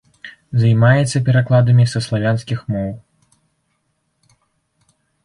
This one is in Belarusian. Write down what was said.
Займаецца перакладамі са славянскіх моў.